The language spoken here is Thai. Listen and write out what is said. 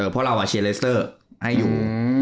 พอเราอะเชียร์เลสเตอร์ให้อยู่